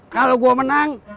kalau gua menang